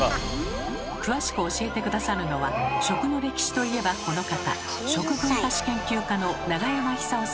詳しく教えて下さるのは食の歴史といえばこの方！